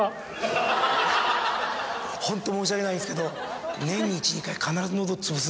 ホント申し訳ないんですけど。